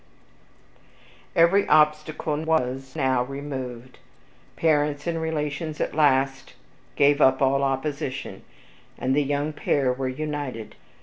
. Every obstacle was now removed; parents and relations at last gave up all opposition, and the young pair were united.